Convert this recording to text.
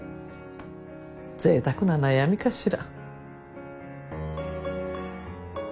ぜいたくな悩みかしら。